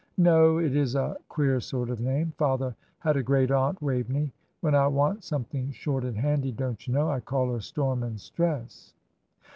"No. It is a queer sort of name. Father had a great aunt Waveney. When I want something short and handy, don't you know, I call her Storm and stress."